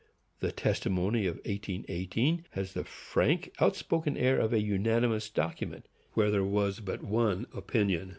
The testimony of 1818 has the frank, outspoken air of a unanimous document, where there was but one opinion.